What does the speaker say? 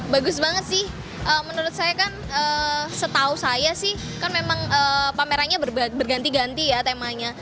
bagus banget sih menurut saya kan setahu saya sih kan memang pamerannya berganti ganti ya temanya